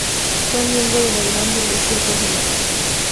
Fue miembro de la gran burguesía conservadora.